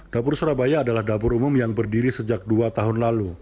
dapur surabaya adalah dapur umum yang berdiri sejak dua tahun lalu